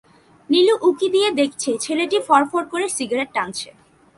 নীলু উঁকি দিয়ে দেখেছে, ছেলেটি ফরফর করে সিগারেট টানছে।